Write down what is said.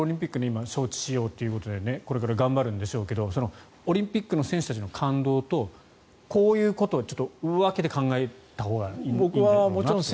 今、招致しようということでこれから頑張るんでしょうけどオリンピックの選手たちの感動とこういうことはちょっと分けて考えたほうがいいのではと。